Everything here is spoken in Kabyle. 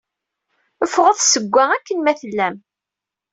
Ffɣet seg-a, akken ma tellam!